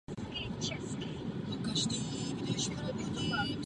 Jeho jméno by mohlo znamenat "nositel nebes".